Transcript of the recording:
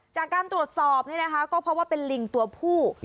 จากการตรวจสอบเนี่ยนะคะก็เพราะว่าเป็นลิงตัวผู้